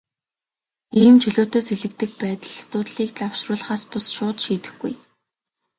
Ийм чөлөөтэй сэлгэдэг байдал асуудлыг лавшруулахаас бус, шууд шийдэхгүй.